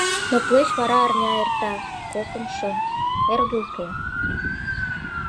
Но тылеч вара арня эрта, кокымшо — эрге уке.